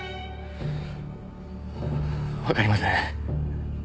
わかりません。